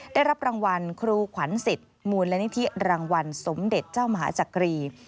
ได้รับรางวัลครูขวัญสิทธิ์มูลนิธิรางวัลสมเด็จเจ้ามหาจักรี